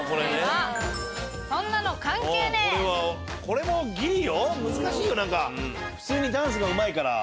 これも難しいよ普通にダンスうまいから。